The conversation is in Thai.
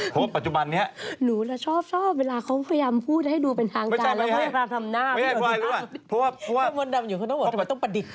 ถ้ามนต์ดำอยู่เขาต้องบอกทำไมต้องประดิษฐ์